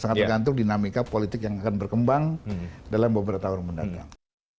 sangat tergantung dinamika politik yang akan berkembang dalam beberapa tahun mendatang